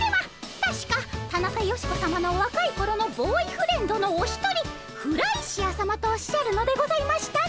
たしかタナカヨシコさまのわかいころのボーイフレンドのお一人フライシアさまとおっしゃるのでございましたね。